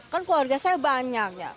kan keluarga saya banyak ya